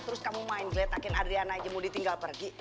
terus kamu main geletakin adriana aja mau ditinggal pergi